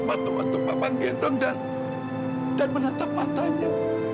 waktu waktu papa gendong dan menatap matanya